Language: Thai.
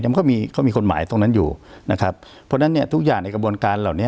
มันก็มีเขามีกฎหมายตรงนั้นอยู่นะครับเพราะฉะนั้นเนี่ยทุกอย่างในกระบวนการเหล่านี้